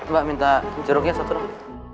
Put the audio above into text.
mbak minta jeruknya satu rumah